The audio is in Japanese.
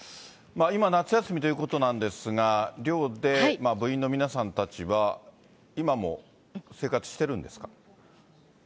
今、夏休みということなんですが、寮で部員の皆さんたちは、今も生活してるんですか。